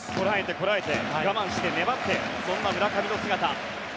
こらえて、我慢して粘ってそんな村上の姿。